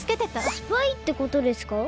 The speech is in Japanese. スパイってことですか？